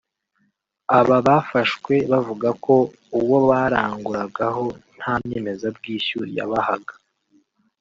Aba bafashwe bavuga ko uwo baranguragaho nta nyemezabwishyu yabahaga